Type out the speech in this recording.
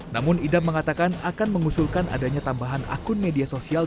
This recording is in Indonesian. namun idam mengatakan akan mengusulkan adanya tambahan akun media sosial